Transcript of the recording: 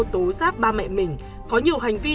tố giác ba mẹ mình có nhiều hành vi